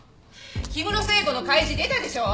日室製鋼の開示出たでしょ？